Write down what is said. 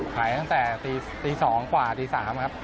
ขายตั้งแต่ตี๒กว่าตี๓ครับ